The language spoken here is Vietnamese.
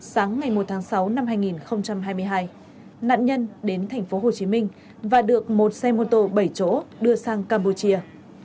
sáng ngày một tháng sáu năm hai nghìn hai mươi hai nạn nhân đến thành phố hồ chí minh và được một xe mô tô bảy chỗ đưa sang campuchia